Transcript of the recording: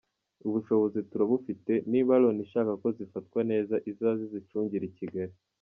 Ubushobozi turabufite, niba Loni ishaka ko zifatwa neza, izaze izicungire i Kigali.